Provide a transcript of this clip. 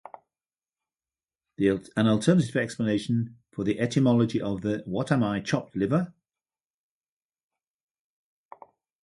An alternative explanation for the etymology of the "What am "I", chopped "liver"?